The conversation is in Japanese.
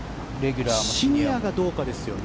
シニアがどうかですかね。